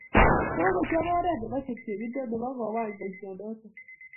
Kokochop oret nebo chepchepindo nebo kowany boisyonotok.